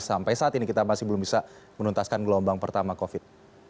sampai saat ini kita masih belum bisa menuntaskan gelombang pertama covid